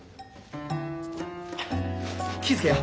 気ぃ付けや。